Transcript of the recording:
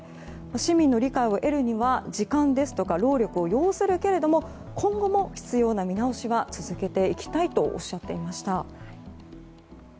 市民の理解を得るには時間や労力を要するけれども今後も必要な見直しは続けていきたいとおっしゃっていました。